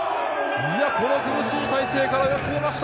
この厳しい体勢からよく決めました！